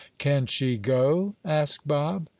"Can she go?" asked Bob.